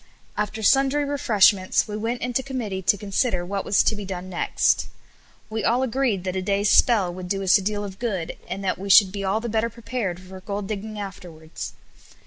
After sundry refreshments we went into committee to consider what was to be done next. We all agreed that a day's spell would do us a deal of good, and that we should be all the better prepared for gold digging afterwards.